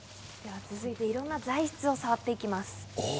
続いて、いろんな材質を触っていきます。